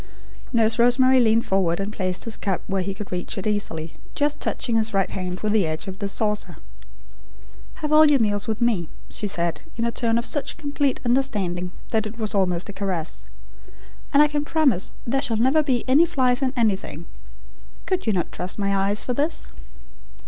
Nurse Rosemary leaned forward and placed his cup where he could reach it easily, just touching his right hand with the edge of the saucer. "Have all your meals with me," she said, in a tone of such complete understanding, that it was almost a caress; "and I can promise there shall never be any flies in anything. Could you not trust my eyes for this?"